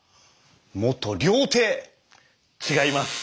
元料亭！違います。